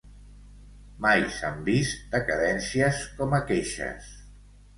Mai s'han vist decadències com aqueixes.